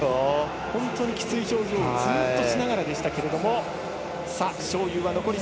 本当にきつい表情をずっとしながらでしたけれど。